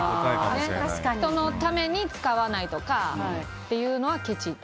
人のために使わないとかっていうのはけち。